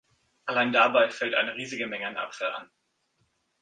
Allein dabei fällt eine riesige Menge an Abfall an.